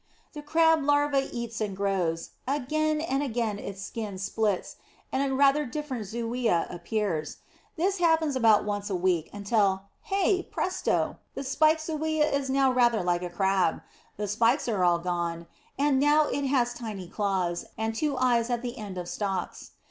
The Crab larva eats and grows. Again and again its skin splits, and a rather different zoea appears. This happens about once a week, until, hey presto! the spiked zoea is now rather like a Crab. The spikes are gone, and now it has tiny claws, and two eyes at the end of stalks.